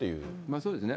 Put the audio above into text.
そうですね。